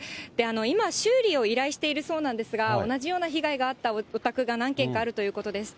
今、修理を依頼しているそうなんですが、同じような被害があったおたくが何軒かあるということです。